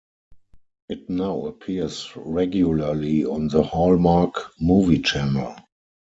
It now appears regularly on the Hallmark Movie Channel.